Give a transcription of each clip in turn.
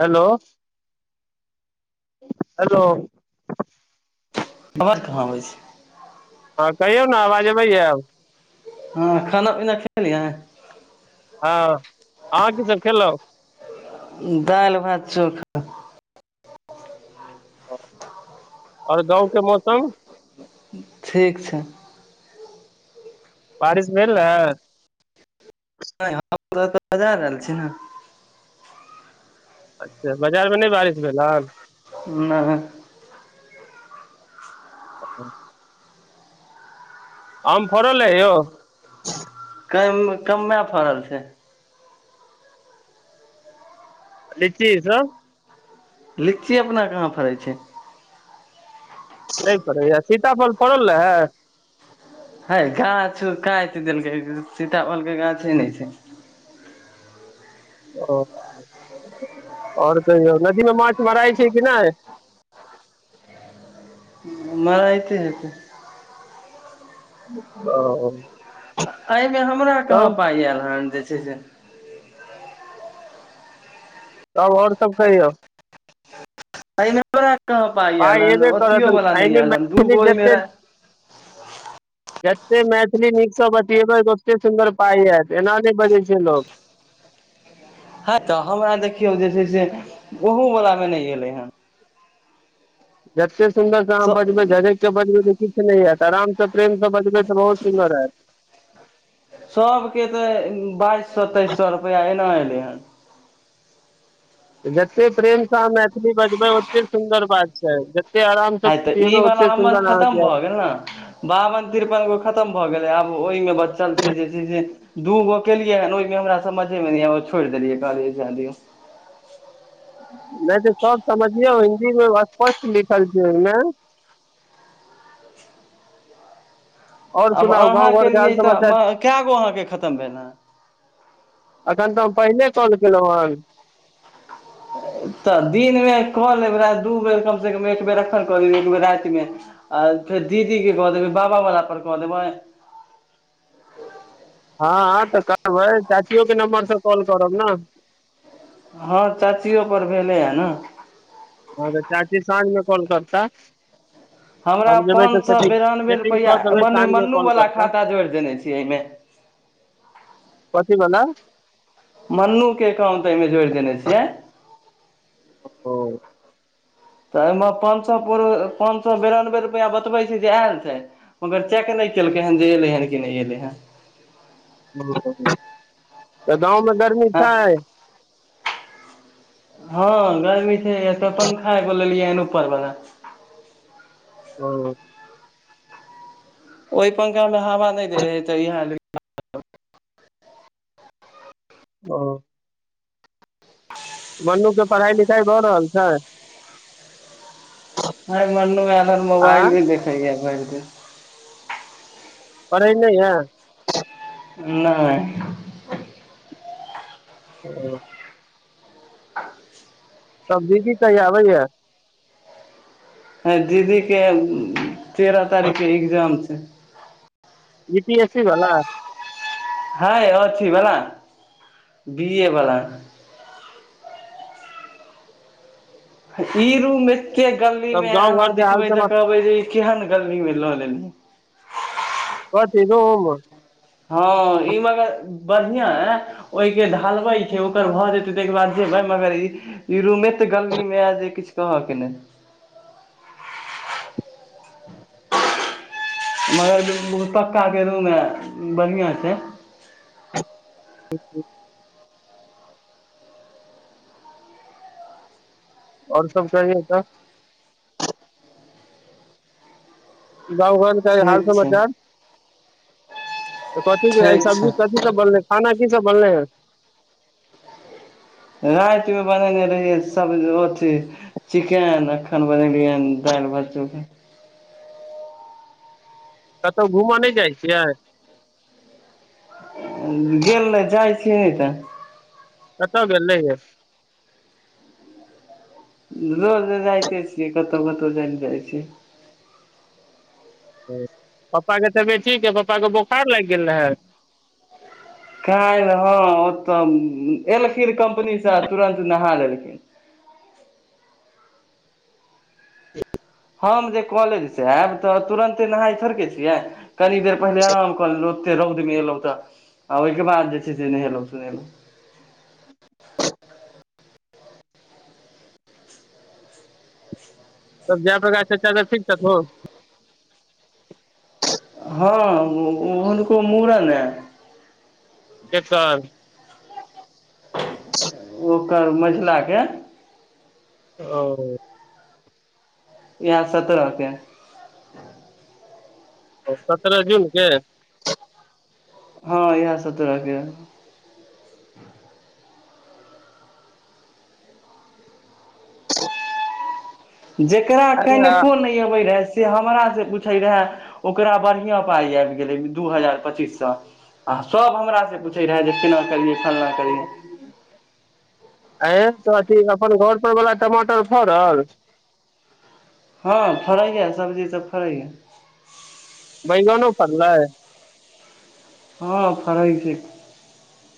Hello hello अवाज कहां आबै छै हँ कहियौ ने अवाज अबै अब हँ खाना पीना खैलियै हँ अहाँ कीसभ खेलउ दाइल भात चोखा ह ओर गाँव के मौसम ठीक छै बारिश भेल रैह नहि हम तऽ बजार एल छी न अच्छा बाजारमे नहि बारिश भेलहन नहि [unintelligible] आम फरल येओ कम कमे फड़ल छै लिची सभ लीची अपना कहाँ फड़ै छै नहि फड़ैए सीताफल फड़ल रहै हइ गाछो काइट देलकै सीताफलके गाछे नहि छै ओ ओर कहियौ नदीमे माछ मरायै छै कि नहि मरायै एत्ते हेतै ओ [inaudible] एहिमे हमरा कहाँ तब पाय आयल हांँ जे से जे [inaudible] तब ओर सब कहियौ एहिमे हमरा कहांँ पाइ एल हं एबे करत अथियो वाला नहि एहिमे आयल हन दू मैथिली गोट ओहिमे जते रहय जते मैथिली नीकसँ बतियेबै तऽ ओतय सुन्दर पाइ आयत एना नहि बजैत छैक लोक ह तऽ हमरा देखियौ जे छै से ओहु वला एलयू ह जत्ते [inaudible] सुन्दरसँ अहाँ बजबय झजक केँ बजबय त किछु नहि [inaudible] प्रेम से बजबै तऽ बहुत सुन्दर हयत सबकेँ तऽ बाइस सौ तेइस सौ रुपआ एना एलय हां। हन [inaudible] जते प्रेमसँ अहाँ बजबय ओतेक सुन्दर [unintelligible] से हय ई बतियेबै वला ओते हमर सुन्दर खतम अहाँके भ हयत गेल न बाबन तिरपन गोट खतम भ गेलै आब ओहिमे बच्चल छैक जे छै से दू गोट केलियै हन ओहिमे हमरा समझेमे नहि आयल छोड़ि देलियै कहलियै जाय दियउ नै त सब समझियौ कि यौ स्पष्ट लिखल छैक ओहिमे आओर आब सुनाउ अहाँ गाँव घर के केलियै हाल तो समाचार कैट गोट अहाँके खतम भेल हँ। एखन त हम पहिनेे कॉल केलहुँ हन तऽ दिनमे क लेब राति दू बेर कम सँ कम एक बेर एखन क दियउ एक बेर रातिमे आ फेर दीदीकेँ क देबय बाबा वला पर क देबय। हाँ हाँ त क [inaudible] बै चाचियो केँ नम्बर सँ कॉल करब न हँ चाचियो पर भेलै ह न हँ त चाची साँझमे कॉल करतीह हमरा पाँच सौ बेरानबे रुपैआ कऽ देबै मने साँझ मे कॉल मन्नूवला करता खाता जोड़ि देने छी एहिमे कथी बला मन्नू केँ अकाउंट एहिमे जोड़ि देने छियै ओ [inaudible] तऽ एहिमे पाँच सौ बेरानबे रुपैआ बतबय छैक जे आयल छैक मगर चेक नहि केलकय हन जे अयलय हन कि नहि अयलय हन [inaudible] गाँव मे गरमी छै हन हँ गरमी छैक एतय पंखा एगो लेलियै हन ऊपरवला व [inaudible] ओहि पंखा मे हावा नै दे हइ त इहय लेलिय [inaudible] ओ [inaudible] मन्नूके पढ़ाइ लिखाइ भऽ रहल छै ह मन्नू हमर आ मोबाइल भी देखैयै भर [inaudible] पढ़ै नहि य नइ ओ [inaudible] तब दीदी कहिया अबैया ह दीदीके तेरह तारीख के इग्जाम छै बीपीएसी वाला हँ अथि बला बी ए बला ई रूममे एते गर्मी तब मे गाँव अहाँ घर के हाल देखबै तऽ समाचार कहबे जे केहन गली में लऽ लेली कथि दु हँ इमगर बढ़िया है ओहिये ढालबै छै ओकर भऽ जेतै त एक बार जेबै मगर इ रूमेत गर्मी मे एजे किछ कहऽ के ने मगर जे पक्काके रूममे बढ़ियां छै [inaudible] ओर सब कहियौ त गाँंव घर के हाल ठीक छै समाचार कथी बुझायै छै सब्जी कथी सब बनले ह खाना की सब बनले हैं रातिमे बनेलियै रहियै सभ ले रोटी चिकेन अखन बनेलियै ह दाइल भात चोखा कतहु घूमअ नहि जाइ छियै गेल ने जाइ छियै नहि तऽ कत्त गेलै रैहै रोज जाइते छियै कतउ कतउ जाइ जाइ छियै पप्पा के तबियत ठीक है पप्पाके बोखार लाग गेल रहै कालौ हँ ओ तऽ एलखिन कम्पनीसे तुरन्त नहा लेलखिन हम जे कॉलेज से एब तऽ तुरंते नहााय थोड़केे छियै कनी देर पहिले आराम कऽ लेलहुँ ओते रौउद मे एलऔ तऽ आ ओहिके बाद जे छै से नहेलहुं सुनेलउ धिया पुता ठीक छतुन हँ हुनको मुड़न है एक साल [inaudible] ओकर मझिलाके ओ इएह सत्तरहके ओ सत्तरह जून के हँ इहे सतरहके जेकरा अरे कनिको नहि अबै रहै से हमरा से पूछे रहे ओकरा बढ़िया पाय आबि गेले दू हजार पच्चीस सौ आ सब हमरा से पूछे रहे जे केना करियै फल्लाँ करियै ह अए त अथी अपन घर पर बला टमाटर फड़ल हँ फड़ैए सबजी तऽ फड़ैए बैंगनो फड़लै हँ फड़ै छै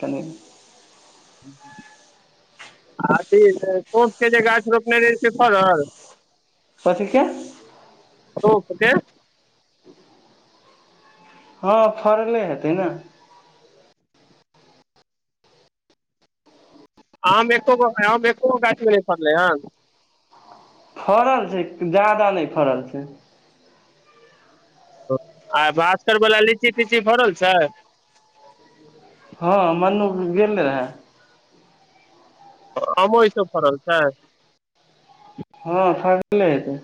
तनि आथी सोपके जे गाछ रोपने रहै से फड़ल कथीके सोंफ के हँ फड़ले हेतै ने आम एको गो एको गो गाछमे नहि फड़लै ह फड़ल छै जादा नहि फड़ल छै आइ बात उत्तर वाला लीची तीची फड़ल छै हँ मनु गेल रेहै आमो ईसभ फड़ल छै हँ फरले हेतइ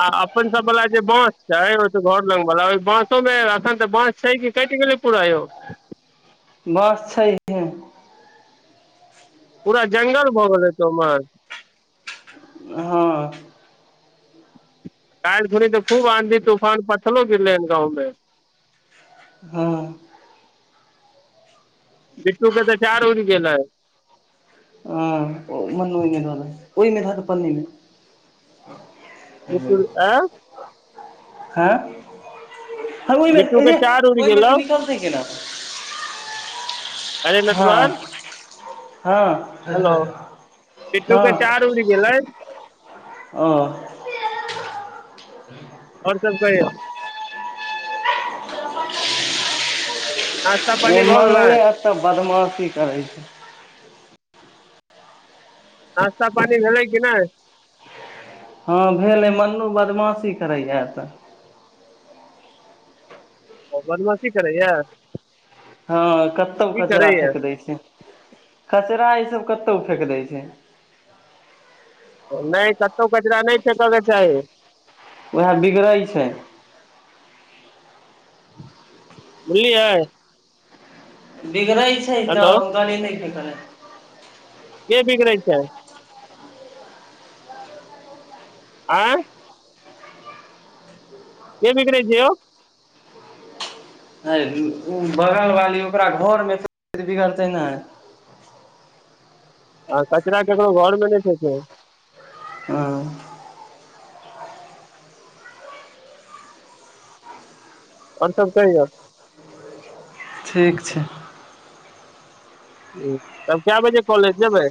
आ अपन सभ वला जे बाँस छै ओ घर लग वला ओहि बाँसोमे एखन तऽ बाँस छै कि कटि गेलै पूरा यौ बाँस छै इ पूरा जंगल भऽ गेल ह त उमहर हँ काईल खूनी तऽ खूब आँधी तूफान पथलो गिरलई या गाँव मे हुँ बिट्टू के तऽ चार ऊरी गेलई हँ ओ मन्नू ओय में धऽइ ओहिमे ध दहि पल्नीमे बिट्टू आंय हँ हँ ओहिमेे बिट्टू के चार उड़ि गेलौ ओहिमेसँ निकलतै केना अरे नटवर हँ हँ हेलो किट्टू के चार हँ उड़ि गेलै ओ और सब कहियो नास्ता ओ पानी भऽ गेलै मनबे आ तऽ बदमाशी करै छै नश्ता पानी भेलै कि नाई हँ भेल अई मनू बदमाशी करैया एत ओ बदमाशी करैया हँ कतउ की कचरा करैया फेक दै छै कचरा ई सब कतऊ फेक दै छै नहि क कतो कचरा नहि फेकऽके चाही ओहै बिगड़ै छै बोझलियै बिगड़ै छै तऽ गली नहि तं के बिगड़ै छै आँ के बिकड़े छै ओ आ ओ बगलवाली ओकरा घरमे फेर बिगड़तै ने आ कचरा केकरो घरमे नाई फेकियौ आॉ और सब कहि यउ ठीक छै ह तब कै बजे कॉलेज जेबै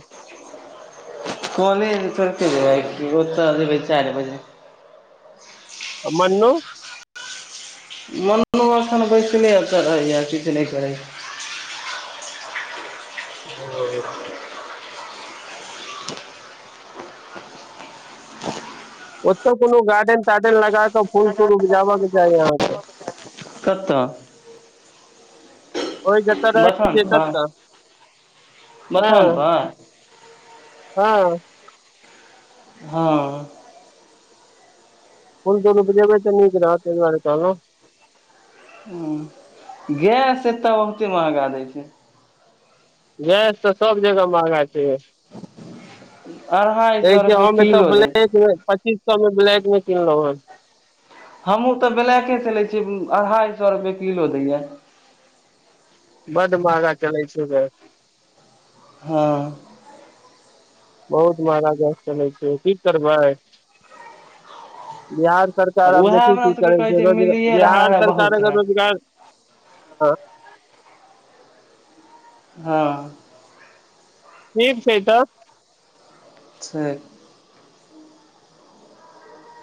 कॉलज करके जाई छी ओत जेबै चार बजे मनु मनुओं अखन बैसले चढ़ैए किीछु नहि करैए ह ओतय कोनो गार्डेन तार्डन लगा कऽ फूल तूल उपजाबय के चाही अहाँके कत्त ओहि जतऽ रहै बथान छै पर ततऽ हँ बथान पर हँ हँ फूल तूल उपजेबय त नीक रहत तय दुआरे कहलहूँ ह गैस एतय बहुते महगा दै छै गैस तऽ सब जगह महगा छै अढ़ाइ कह सए रुपए हमे एत्त किलो दै छै ब्लैकमे पच्चीस स मे ब्लैक मे किनलहु है हमहूँ तऽ ब्लैकेसे लै छीयै अढ़ाइ सौ रुपए किलो दैए बड महगा चलै छै ग हँ बहुत महगा गैस चलै छै की करबै बिहार सरकार आब उएह देखी हमरा की सबके करै कहै छै रोजगार मिलिये रहा बिहार है सरकार बहुत है अगर रोजगार ह हँ ठीक छै तऽ ठीक